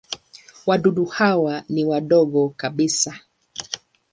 Wadudu hawa ni wadogo kabisa.